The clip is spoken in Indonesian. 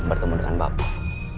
bertemu dengan bapak